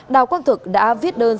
đào quang thực đã viết đơn xin lỗi